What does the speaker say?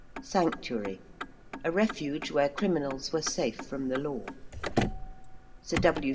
~Sanctuary~: a refuge where criminals were safe from the law. Sir W.